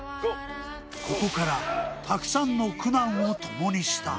ここからたくさんの苦難をともにした